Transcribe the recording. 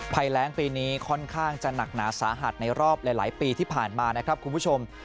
ภัยแรงปีนี้ค่อนข้างจะหนักหนาสาหัสในรอบหลายปีที่ผ่านมานะครับคุณผู้ชม